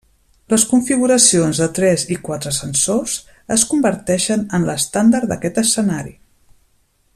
Les configuracions de tres i quatre sensors es converteixen en l’estàndard d’aquest escenari.